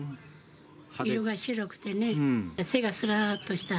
色が白くてね、背がすらーっとした。